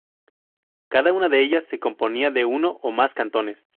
Cada una de ellas se componía de uno o más cantones.